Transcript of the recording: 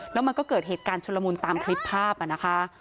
แล้วมันก็เกิดเหตุการณ์ชุลมุนตามคลิปภาพนะคะ